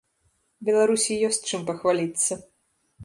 Беларусі ёсць чым пахваліцца.